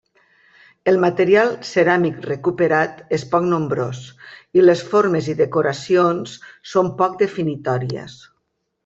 El material ceràmic recuperat és poc nombrós i les formes i decoracions són poc definitòries.